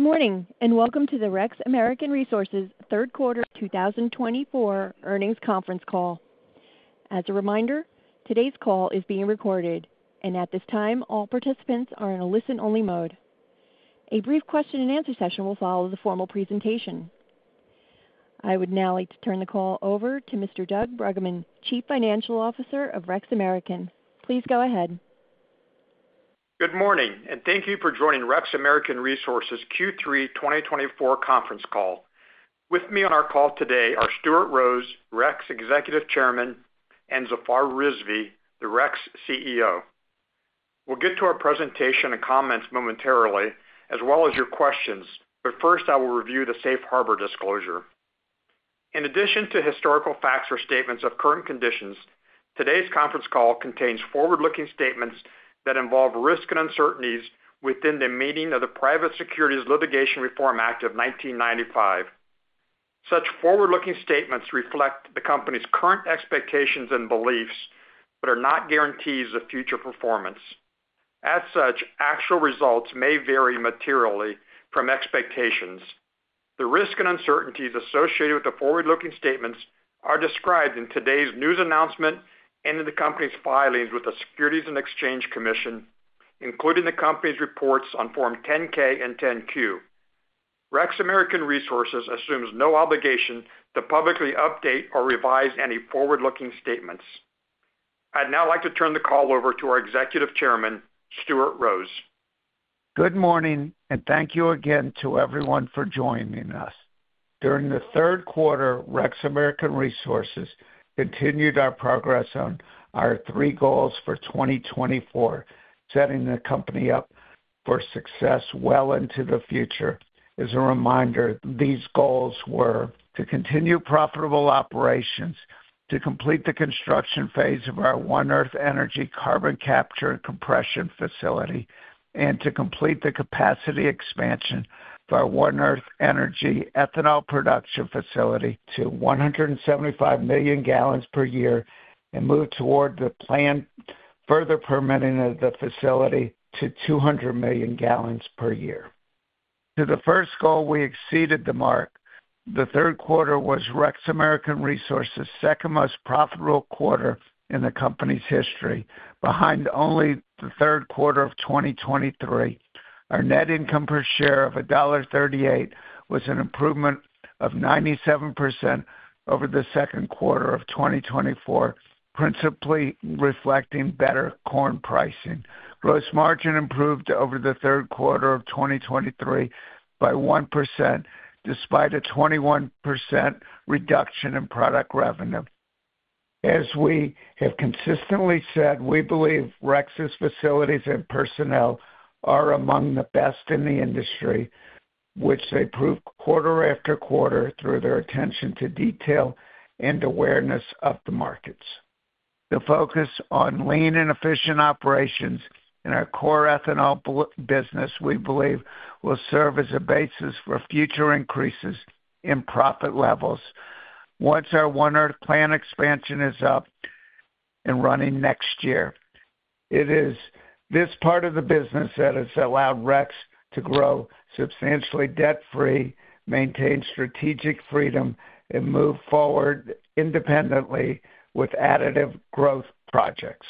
Good morning and welcome to the REX American Resources Third Quarter 2024 Earnings Conference Call. As a reminder, today's call is being recorded, and at this time, all participants are in a listen-only mode. A brief question-and-answer session will follow the formal presentation. I would now like to turn the call over to Mr. Doug Bruggeman, Chief Financial Officer of REX American. Please go ahead. Good morning, and thank you for joining REX American Resources Q3 2024 conference call. With me on our call today are Stuart Rose, REX Executive Chairman, and Zafar Rizvi, the REX CEO. We'll get to our presentation and comments momentarily, as well as your questions, but first I will review the safe harbor disclosure. In addition to historical facts or statements of current conditions, today's conference call contains forward-looking statements that involve risk and uncertainties within the meaning of the Private Securities Litigation Reform Act of 1995. Such forward-looking statements reflect the company's current expectations and beliefs but are not guarantees of future performance. As such, actual results may vary materially from expectations. The risk and uncertainties associated with the forward-looking statements are described in today's news announcement and in the company's filings with the Securities and Exchange Commission, including the company's reports on Form 10-K and 10-Q. REX American Resources assumes no obligation to publicly update or revise any forward-looking statements. I'd now like to turn the call over to our Executive Chairman, Stuart Rose. Good morning, and thank you again to everyone for joining us. During the third quarter, REX American Resources continued our progress on our three goals for 2024, setting the company up for success well into the future. As a reminder, these goals were to continue profitable operations, to complete the construction phase of our One Earth Energy carbon capture and compression facility, and to complete the capacity expansion of our One Earth Energy ethanol production facility to 175 million gallons per year and move toward the planned further permitting of the facility to 200 million gallons per year. To the first goal, we exceeded the mark. The third quarter was REX American Resources' second most profitable quarter in the company's history, behind only the third quarter of 2023. Our net income per share of $1.38 was an improvement of 97% over the second quarter of 2024, principally reflecting better corn pricing. Gross margin improved over the third quarter of 2023 by 1%, despite a 21% reduction in product revenue. As we have consistently said, we believe REX's facilities and personnel are among the best in the industry, which they prove quarter after quarter through their attention to detail and awareness of the markets. The focus on lean and efficient operations in our core ethanol business, we believe, will serve as a basis for future increases in profit levels once our One Earth plant expansion is up and running next year. It is this part of the business that has allowed REX to grow substantially debt-free, maintain strategic freedom, and move forward independently with additive growth projects.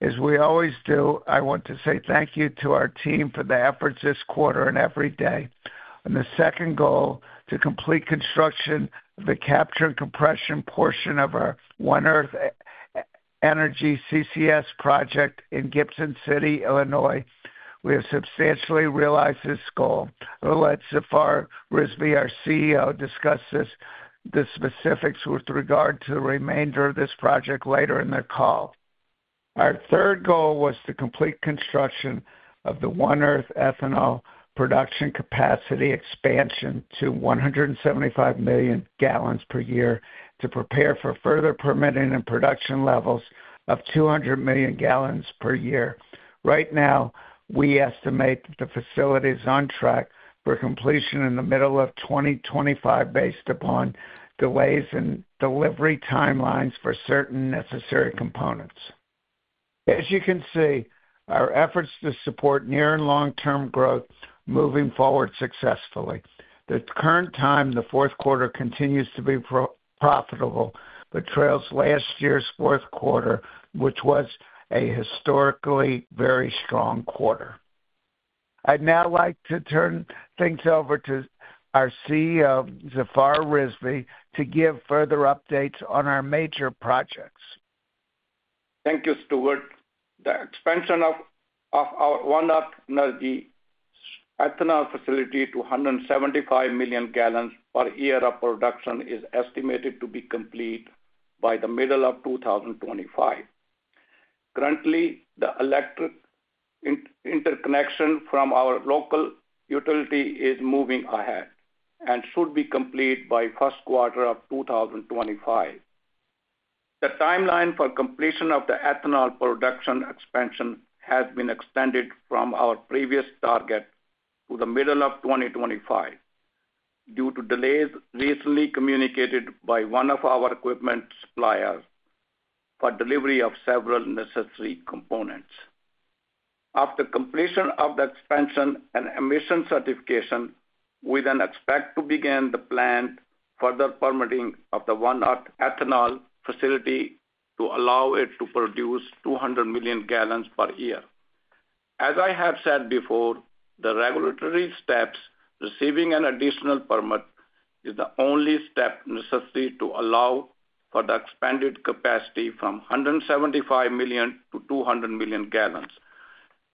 As we always do, I want to say thank you to our team for the efforts this quarter and every day. And the second goal, to complete construction of the capture and compression portion of our One Earth Energy CCS project in Gibson City, Illinois, we have substantially realized this goal. I'll let Zafar Rizvi, our CEO, discuss the specifics with regard to the remainder of this project later in the call. Our third goal was to complete construction of the One Earth ethanol production capacity expansion to 175 million gallons per year to prepare for further permitting and production levels of 200 million gallons per year. Right now, we estimate the facility is on track for completion in the middle of 2025, based upon delays in delivery timelines for certain necessary components. As you can see, our efforts to support near and long-term growth are moving forward successfully. The current time, the fourth quarter, continues to be profitable but trails last year's fourth quarter, which was a historically very strong quarter. I'd now like to turn things over to our CEO, Zafar Rizvi, to give further updates on our major projects. Thank you, Stuart. The expansion of our One Earth Energy ethanol facility to 175 million gallons per year of production is estimated to be complete by the middle of 2025. Currently, the electric interconnection from our local utility is moving ahead and should be complete by the first quarter of 2025. The timeline for completion of the ethanol production expansion has been extended from our previous target to the middle of 2025 due to delays recently communicated by one of our equipment suppliers for delivery of several necessary components. After completion of the expansion and emission certification, we then expect to begin the planned further permitting of the One Earth ethanol facility to allow it to produce 200 million gallons per year. As I have said before, the regulatory steps, receiving an additional permit, is the only step necessary to allow for the expanded capacity from 175 million to 200 million gallons,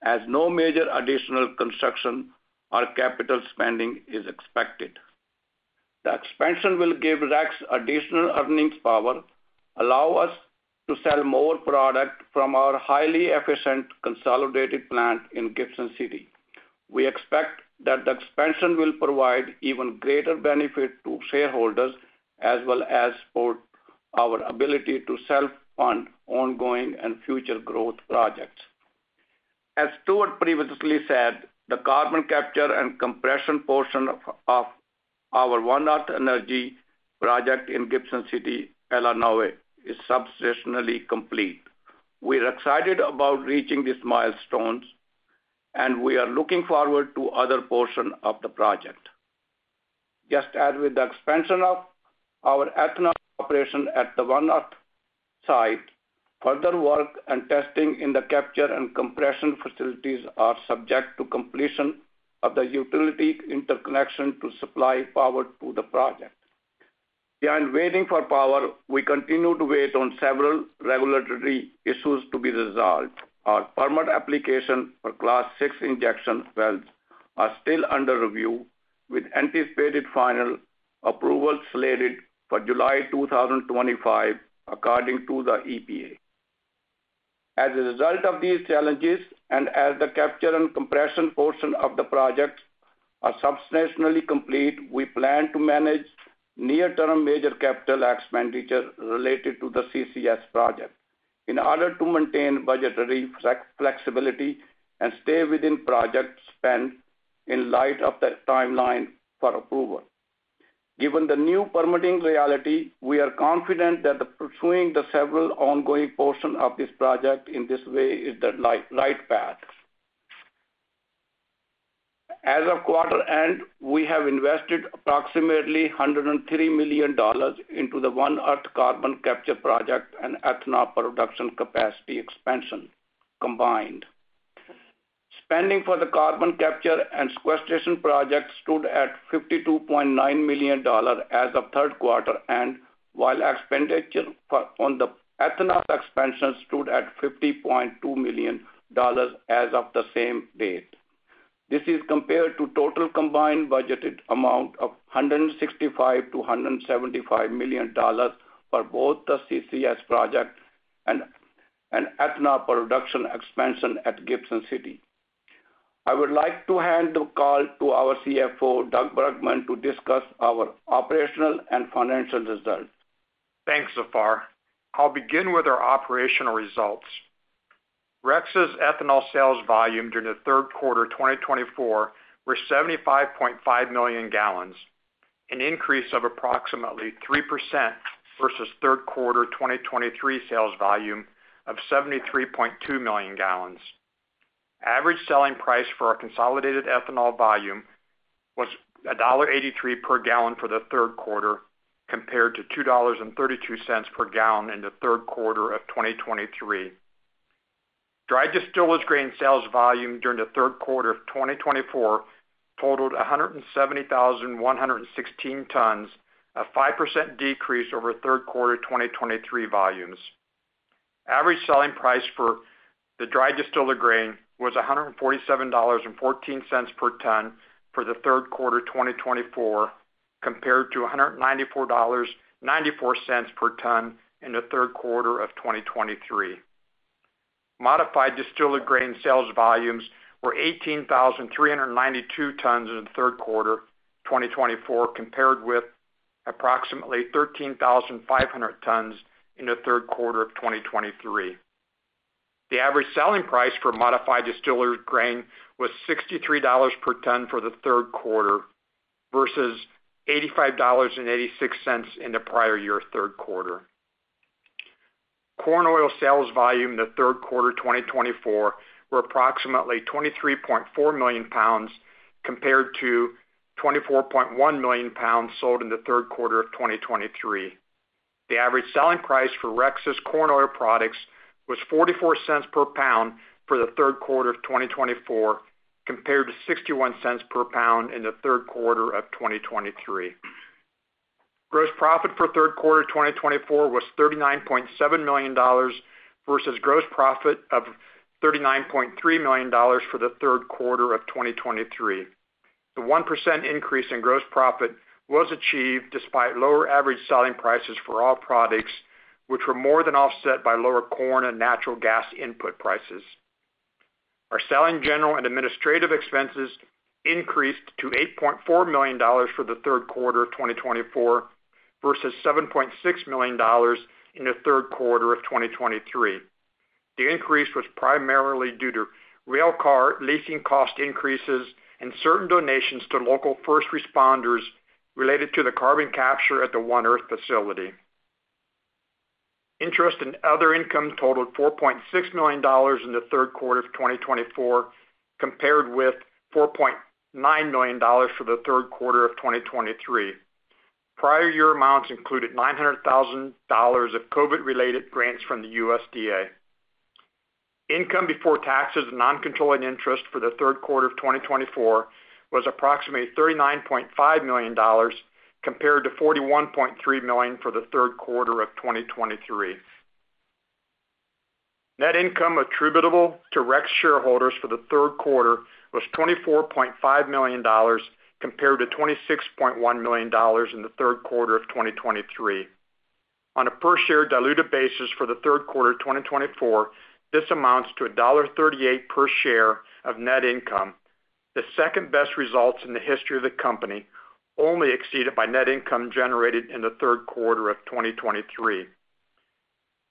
as no major additional construction or capital spending is expected. The expansion will give REX additional earnings power, allow us to sell more product from our highly efficient consolidated plant in Gibson City. We expect that the expansion will provide even greater benefit to shareholders as well as support our ability to self-fund ongoing and future growth projects. As Stuart previously said, the carbon capture and compression portion of our One Earth Energy project in Gibson City, Illinois, is substantially complete. We are excited about reaching these milestones, and we are looking forward to the other portion of the project. Just as with the expansion of our ethanol operation at the One Earth site, further work and testing in the capture and compression facilities are subject to completion of the utility interconnection to supply power to the project. Beyond waiting for power, we continue to wait on several regulatory issues to be resolved. Our permit application for Class VI injection wells is still under review, with anticipated final approval slated for July 2025, according to the EPA. As a result of these challenges, and as the capture and compression portion of the project is substantially complete, we plan to manage near-term major capital expenditure related to the CCS project in order to maintain budgetary flexibility and stay within project spend in light of the timeline for approval. Given the new permitting reality, we are confident that pursuing the several ongoing portions of this project in this way is the right path. As of quarter end, we have invested approximately $103 million into the One Earth carbon capture project and ethanol production capacity expansion combined. Spending for the carbon capture and sequestration project stood at $52.9 million as of third quarter, while expenditure on the ethanol expansion stood at $50.2 million as of the same date. This is compared to the total combined budgeted amount of $165-$175 million for both the CCS project and ethanol production expansion at Gibson City. I would like to hand the call to our CFO, Doug Bruggeman, to discuss our operational and financial results. Thanks, Zafar. I'll begin with our operational results. REX's ethanol sales volume during the third quarter of 2024 was 75.5 million gallons, an increase of approximately 3% versus third quarter 2023 sales volume of 73.2 million gallons. Average selling price for our consolidated ethanol volume was $1.83 per gallon for the third quarter, compared to $2.32 per gallon in the third quarter of 2023. Dried distillers grain sales volume during the third quarter of 2024 totaled 170,116 tons, a 5% decrease over third quarter 2023 volumes. Average selling price for the dried distillers grains was $147.14 per ton for the third quarter 2024, compared to $194.94 per ton in the third quarter of 2023. Modified distillers grain sales volumes were 18,392 tons in the third quarter 2024, compared with approximately 13,500 tons in the third quarter of 2023. The average selling price for modified distillers grains was $63 per ton for the third quarter versus $85.86 in the prior year third quarter. Corn oil sales volume in the third quarter 2024 were approximately 23.4 million pounds, compared to 24.1 million pounds sold in the third quarter of 2023. The average selling price for REX's corn oil products was $0.44 per pound for the third quarter of 2024, compared to $0.61 per pound in the third quarter of 2023. Gross profit for third quarter 2024 was $39.7 million versus gross profit of $39.3 million for the third quarter of 2023. The 1% increase in gross profit was achieved despite lower average selling prices for all products, which were more than offset by lower corn and natural gas input prices. Our selling general and administrative expenses increased to $8.4 million for the third quarter of 2024 versus $7.6 million in the third quarter of 2023. The increase was primarily due to rail car leasing cost increases and certain donations to local first responders related to the carbon capture at the One Earth facility. Interest and other income totaled $4.6 million in the third quarter of 2024, compared with $4.9 million for the third quarter of 2023. Prior year amounts included $900,000 of COVID-related grants from the USDA. Income before taxes and non-controlling interest for the third quarter of 2024 was approximately $39.5 million, compared to $41.3 million for the third quarter of 2023. Net income attributable to REX shareholders for the third quarter was $24.5 million, compared to $26.1 million in the third quarter of 2023. On a per-share diluted basis for the third quarter of 2024, this amounts to $1.38 per share of net income, the second-best results in the history of the company, only exceeded by net income generated in the third quarter of 2023.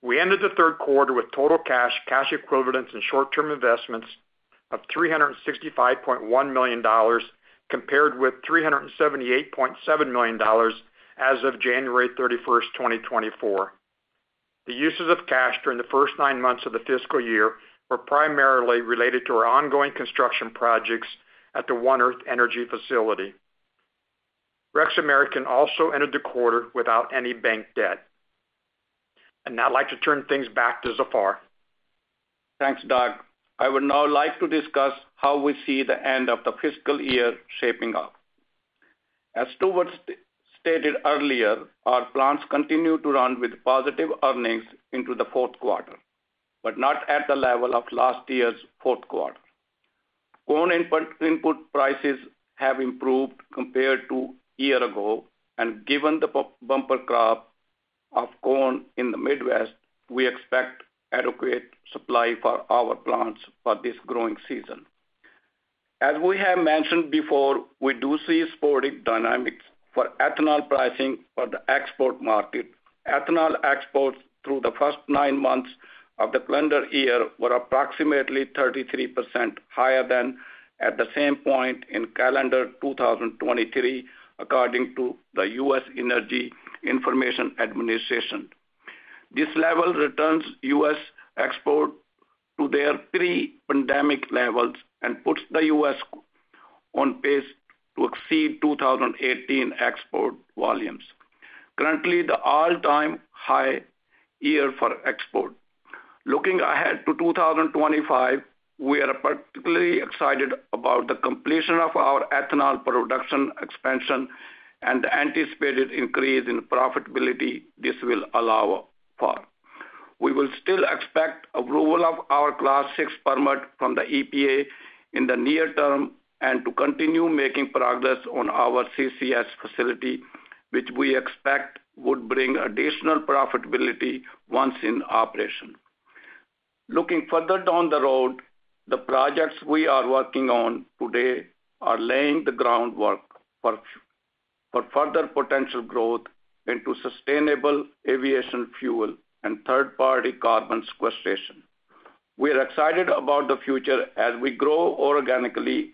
We ended the third quarter with total cash, cash equivalents, and short-term investments of $365.1 million, compared with $378.7 million as of January 31, 2024. The uses of cash during the first nine months of the fiscal year were primarily related to our ongoing construction projects at the One Earth Energy facility. REX American also ended the quarter without any bank debt, and now I'd like to turn things back to Zafar. Thanks, Doug. I would now like to discuss how we see the end of the fiscal year shaping up. As Stuart stated earlier, our plans continue to run with positive earnings into the fourth quarter, but not at the level of last year's fourth quarter. Corn input prices have improved compared to a year ago, and given the bumper crop of corn in the Midwest, we expect adequate supply for our plants for this growing season. As we have mentioned before, we do see sporadic dynamics for ethanol pricing for the export market. Ethanol exports through the first nine months of the calendar year were approximately 33% higher than at the same point in calendar 2023, according to the U.S. Energy Information Administration. This level returns U.S. export to their pre-pandemic levels and puts the U.S. on pace to exceed 2018 export volumes. Currently, the all-time high year for export. Looking ahead to 2025, we are particularly excited about the completion of our ethanol production expansion and the anticipated increase in profitability this will allow for. We will still expect approval of our Class VI permit from the EPA in the near term and to continue making progress on our CCS facility, which we expect would bring additional profitability once in operation. Looking further down the road, the projects we are working on today are laying the groundwork for further potential growth into sustainable aviation fuel and third-party carbon sequestration. We are excited about the future as we grow organically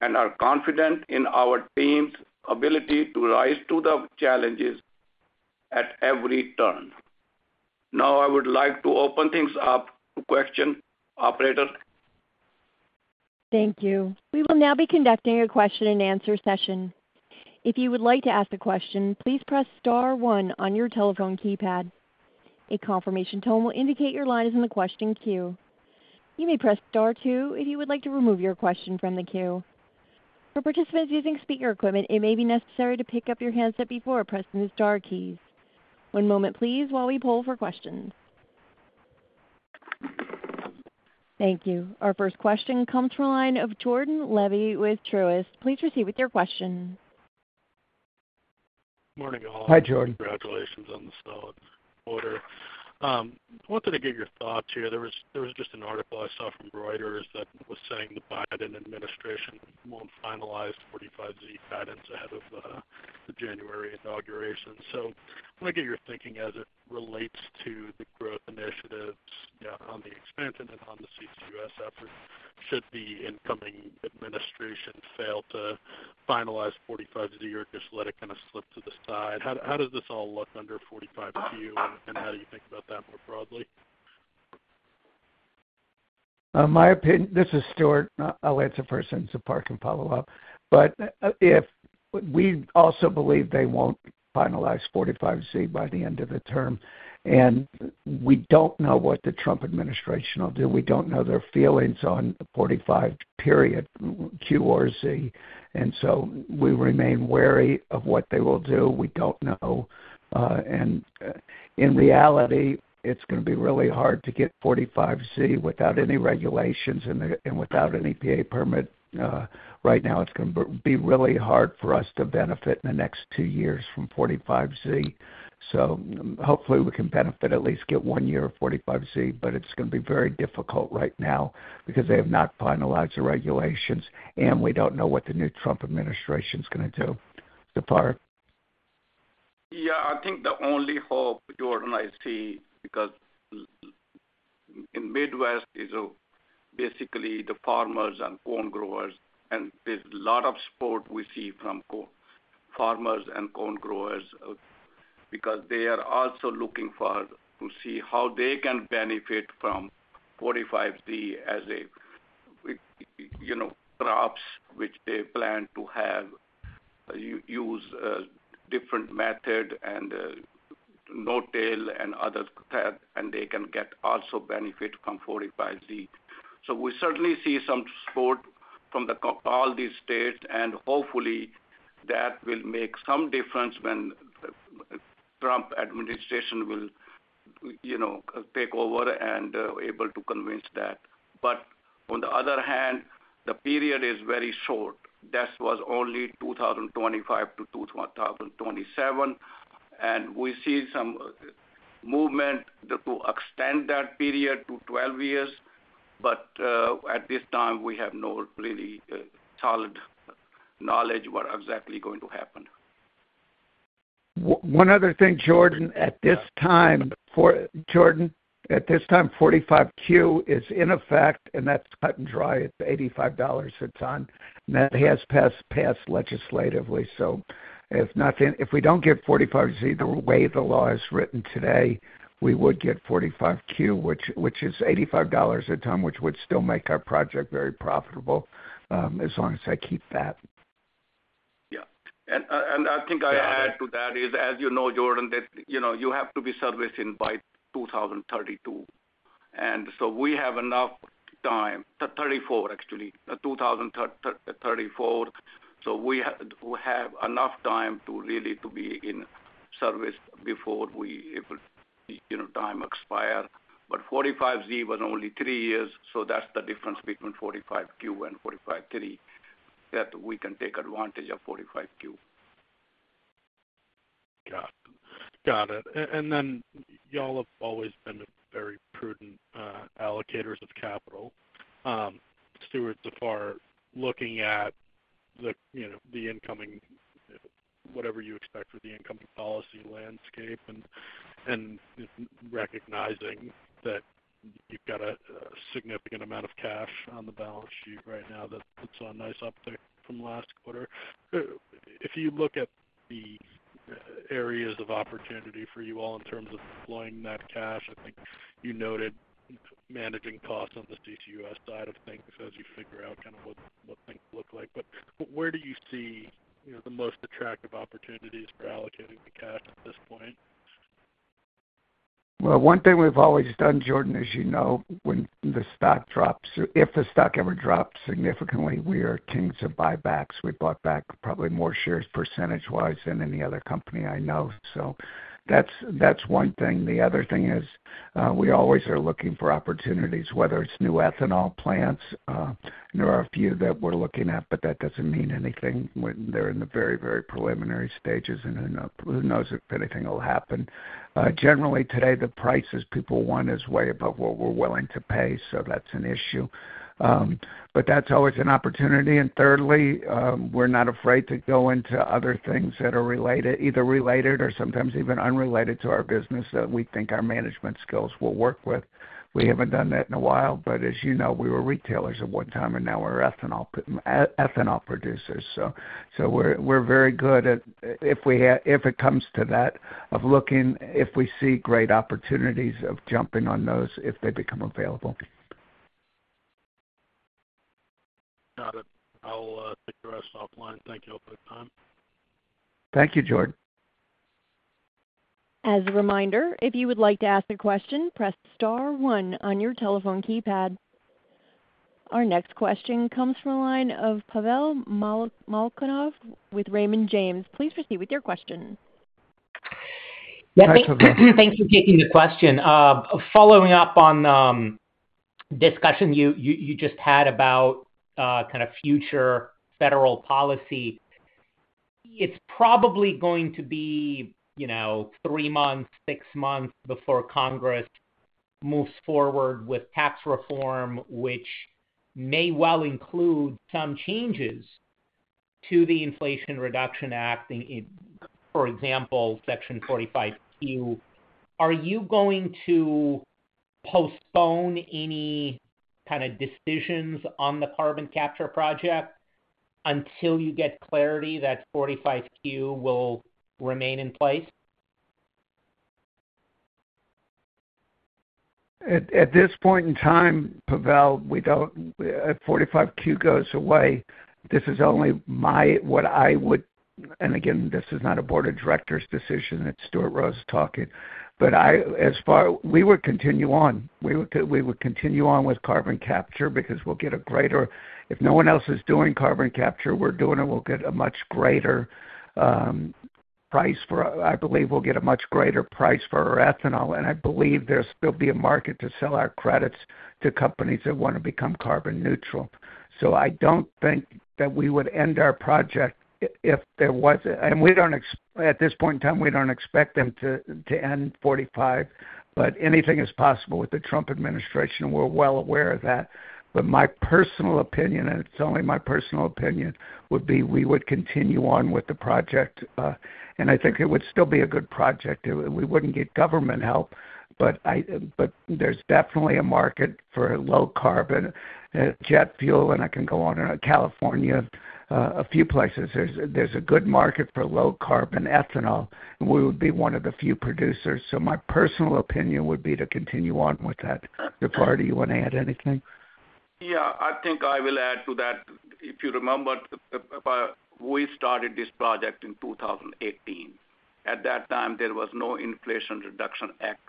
and are confident in our team's ability to rise to the challenges at every turn. Now, I would like to open things up to questions, operator. Thank you. We will now be conducting a question-and-answer session. If you would like to ask a question, please press Star 1 on your telephone keypad. A confirmation tone will indicate your line is in the question queue. You may press Star 2 if you would like to remove your question from the queue. For participants using speaker equipment, it may be necessary to pick up your handset before pressing the Star keys. One moment, please, while we pull for questions. Thank you. Our first question comes from a line of Jordan Levy with Truist. Please proceed with your question. Good morning, all. Hi, Jordan. Congratulations on the solid quarter. I wanted to get your thoughts here. There was just an article I saw from Reuters that was saying the Biden administration won't finalize 45Z guidance ahead of the January inauguration. So I want to get your thinking as it relates to the growth initiatives on the expansion and on the CCUS effort. Should the incoming administration fail to finalize 45Z or just let it kind of slip to the side? How does this all look under 45Q, and how do you think about that more broadly? This is Stuart. I'll answer first, and Zafar can follow up, but we also believe they won't finalize 45Z by the end of the term, and we don't know what the Trump administration will do. We don't know their feelings on the 45Q or Z, and so we remain wary of what they will do. We don't know, and in reality, it's going to be really hard to get 45Z without any regulations and without an EPA permit. Right now, it's going to be really hard for us to benefit in the next two years from 45Z, so hopefully, we can benefit, at least get one year of 45Z, but it's going to be very difficult right now because they have not finalized the regulations, and we don't know what the new Trump administration is going to do. Zafar? Yeah. I think the only hope Jordan and I see, because in the Midwest is basically the farmers and corn growers, and there's a lot of support we see from farmers and corn growers because they are also looking to see how they can benefit from 45Z as crops which they plan to use, different method and no-till and others, and they can also benefit from 45Z. So we certainly see some support from all these states, and hopefully, that will make some difference when the Trump administration will take over and be able to convince that. But on the other hand, the period is very short. That was only 2025 to 2027, and we see some movement to extend that period to 12 years, but at this time, we have no really solid knowledge of what exactly is going to happen. One other thing, Jordan. At this time, Jordan, at this time, 45Q is in effect, and that's cut and dried. It's $85 a ton, and that has passed legislatively. So if we don't get 45Z the way the law is written today, we would get 45Q, which is $85 a ton, which would still make our project very profitable as long as I keep that. Yeah, and I think I'll add to that is, as you know, Jordan, you have to be in service by 2032. And so we have enough time, '34, actually, 2034. So we have enough time to really be in service before time expires. But 45Z was only three years, so that's the difference between 45Q and 45Z that we can take advantage of 45Q. Got it. And then y'all have always been very prudent allocators of capital. Stuart, Zafar, looking at the incoming, whatever you expect for the incoming policy landscape and recognizing that you've got a significant amount of cash on the balance sheet right now that's on nice uptick from last quarter. If you look at the areas of opportunity for you all in terms of deploying that cash, I think you noted managing costs on the CCUS side of things as you figure out kind of what things look like. But where do you see the most attractive opportunities for allocating the cash at this point? One thing we've always done, Jordan, as you know, when the stock drops, if the stock ever drops significantly, we are keen to buybacks. We bought back probably more shares percentage-wise than any other company I know. So that's one thing. The other thing is we always are looking for opportunities, whether it's new ethanol plants. There are a few that we're looking at, but that doesn't mean anything. They're in the very, very preliminary stages, and who knows if anything will happen. Generally, today, the prices people want is way above what we're willing to pay, so that's an issue. But that's always an opportunity. And thirdly, we're not afraid to go into other things that are either related or sometimes even unrelated to our business that we think our management skills will work with. We haven't done that in a while, but as you know, we were retailers at one time, and now we're ethanol producers. So we're very good at, if it comes to that, of looking if we see great opportunities of jumping on those if they become available. Got it. I'll take the rest offline. Thank you all for the time. Thank you, Jordan. As a reminder, if you would like to ask a question, press Star 1 on your telephone keypad. Our next question comes from a line of Pavel Molchanov with Raymond James. Please proceed with your question. Yes, thank you for taking the question. Following up on the discussion you just had about kind of future federal policy, it's probably going to be three months, six months before Congress moves forward with tax reform, which may well include some changes to the Inflation Reduction Act, for example, Section 45Q. Are you going to postpone any kind of decisions on the carbon capture project until you get clarity that 45Q will remain in place? At this point in time, Pavel, at 45Q goes away, this is only what I would, and again, this is not a board of directors decision. It's Stuart Rose talking. But we would continue on. We would continue on with carbon capture because we'll get a greater, if no one else is doing carbon capture, we're doing it, we'll get a much greater price for, I believe we'll get a much greater price for our ethanol. And I believe there'll still be a market to sell our credits to companies that want to become carbon neutral. So I don't think that we would end our project if there was, and at this point in time, we don't expect them to end 45, but anything is possible with the Trump administration, and we're well aware of that. But my personal opinion, and it's only my personal opinion, would be we would continue on with the project. And I think it would still be a good project. We wouldn't get government help, but there's definitely a market for low-carbon jet fuel, and I can go on in California, a few places. There's a good market for low-carbon ethanol. We would be one of the few producers. So my personal opinion would be to continue on with that. Zafar, do you want to add anything? Yeah. I think I will add to that. If you remember, we started this project in 2018. At that time, there was no Inflation Reduction Act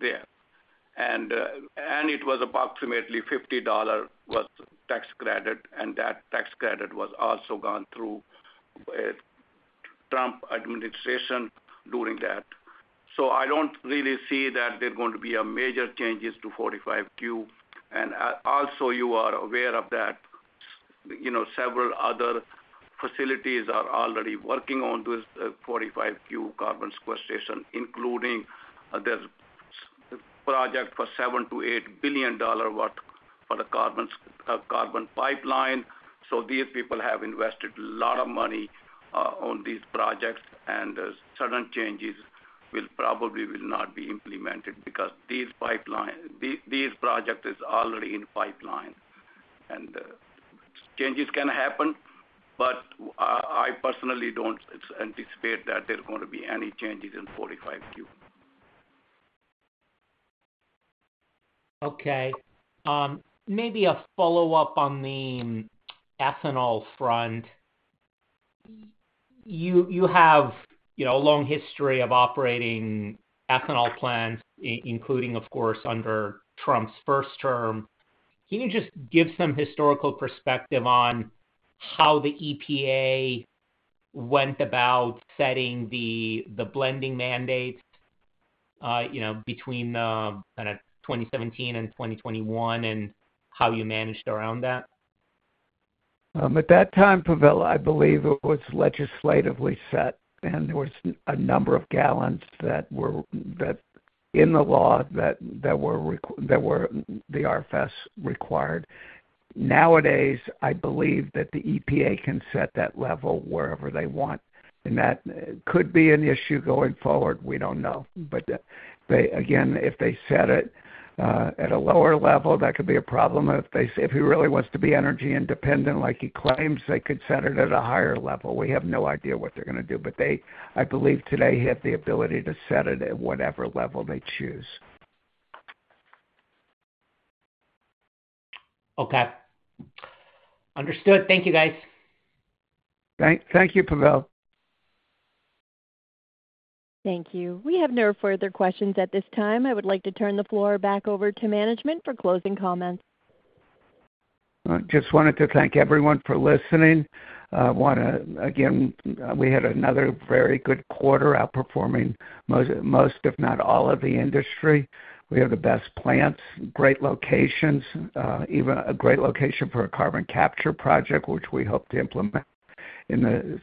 there, and it was approximately $50 was tax credit, and that tax credit was also gone through Trump administration during that. So I don't really see that there are going to be major changes to 45Q, and also, you are aware of that several other facilities are already working on this 45Q carbon sequestration, including the project for $7-$8 billion worth for the carbon pipeline. So these people have invested a lot of money on these projects, and certain changes will probably not be implemented because these projects are already in pipeline, and changes can happen, but I personally don't anticipate that there are going to be any changes in 45Q. Okay. Maybe a follow-up on the ethanol front. You have a long history of operating ethanol plants, including, of course, under Trump's first term. Can you just give some historical perspective on how the EPA went about setting the blending mandates between kind of 2017 and 2021 and how you managed around that? At that time, Pavel, I believe it was legislatively set, and there were a number of gallons that were in the law that the RFS required. Nowadays, I believe that the EPA can set that level wherever they want, and that could be an issue going forward. We don't know, but again, if they set it at a lower level, that could be a problem. If he really wants to be energy independent like he claims, they could set it at a higher level. We have no idea what they're going to do, but I believe today he had the ability to set it at whatever level they choose. Okay. Understood. Thank you, guys. Thank you, Pavel. Thank you. We have no further questions at this time. I would like to turn the floor back over to management for closing comments. I just wanted to thank everyone for listening. Again, we had another very good quarter, outperforming most, if not all, of the industry. We have the best plants, great locations, even a great location for a carbon capture project, which we hope to implement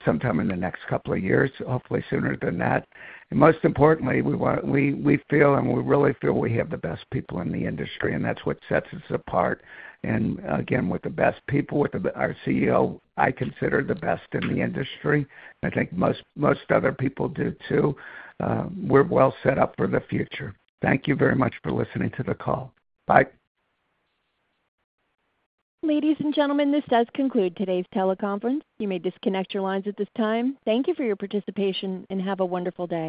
sometime in the next couple of years, hopefully sooner than that, and most importantly, we feel and we really feel we have the best people in the industry, and that's what sets us apart, and again, with the best people, our CEO, I consider the best in the industry. I think most other people do too. We're well set up for the future. Thank you very much for listening to the call. Bye. Ladies and gentlemen, this does conclude today's teleconference. You may disconnect your lines at this time. Thank you for your participation and have a wonderful day.